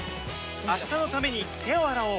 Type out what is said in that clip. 明日のために手を洗おう